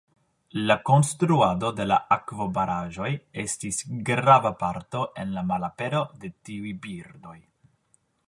La konstruado de la akvobaraĵoj estis grava parto en la malapero de tiuj birdoj.